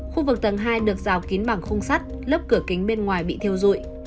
khu vực tầng hai được rào kín bằng khung sắt lớp cửa kính bên ngoài bị thiêu dụi